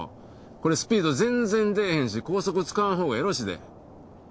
これスピード全然出えへんし高速使わんほうがよろしいで。